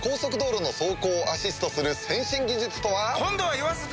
今度は言わせて！